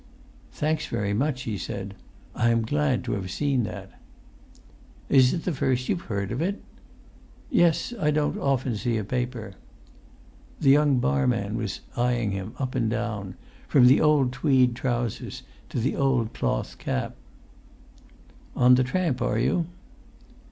"Thanks very much," he said. "I am glad to have seen that." "Is it the first you've heard of it?" [Pg 197]"Yes; I don't often see a paper." The young barman was eyeing him up and down, from the old tweed trousers to the old cloth cap. "On the tramp, are you?"